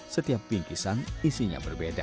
setiap bingkisan isinya berbeda